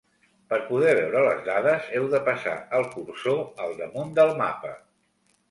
Per poder veure les dades heu de passar el cursor al damunt del mapa.